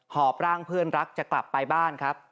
อบร่างเพื่อนรักจะกลับไปบ้านครับ